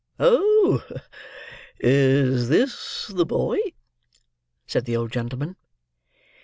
"Oh, is this the boy?" said the old gentleman.